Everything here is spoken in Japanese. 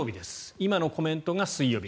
今のコメントが水曜日。